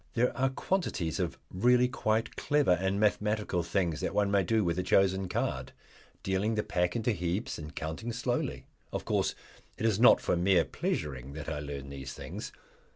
There are quantities of really quite clever and mathematical things that one may do with a chosen card, dealing the pack into heaps and counting slowly. Of course it is not for mere pleasuring that I learn these things.